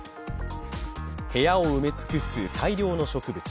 部屋を埋め尽くす大量の植物。